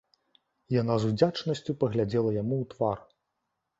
Яна з удзячнасцю паглядзела яму ў твар.